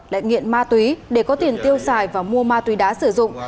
lại nghiện ma túy để có tiền tiêu xài và mua ma túy đá sử dụng